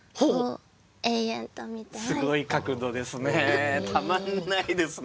すごい角度ですね。